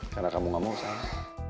karena kamu gak mau salah